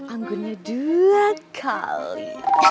anggunnya dua kali